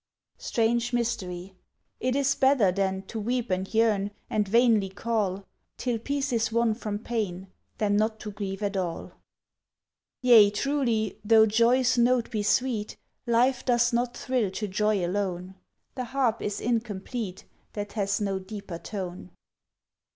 Strange mystery! It is better then To weep and yearn and vainly call, Till peace is won from pain, Than not to grieve at all! Yea, truly, though joy's note be sweet, Life does not thrill to joy alone. The harp is incomplete That has no deeper tone.